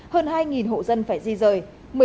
hơn hai hộ dân phải di rời